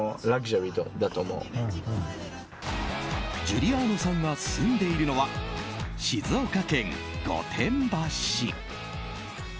ジュリアーノさんが住んでいるのは静岡県御殿場市。